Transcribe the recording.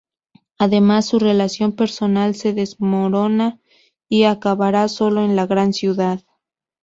Además, su relación personal se desmorona y acabará sólo en la gran ciudad.